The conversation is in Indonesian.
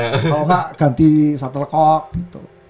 kalau nggak ganti shuttlecock gitu